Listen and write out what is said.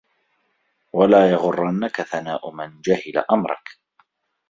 وَلَا يَغُرَّنَّك ثَنَاءٌ مَنْ جَهِلَ أَمْرَك